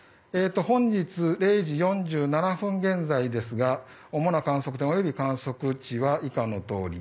本日、０時４７分現在ですが主な観測点および観測地です。